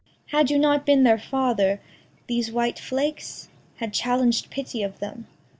Cor. Had you not been their father, these white flakes Had challeng'd pity of them.